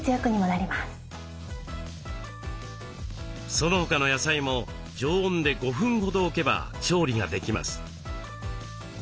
その他の野菜も常温で５分ほど置けば調理ができます。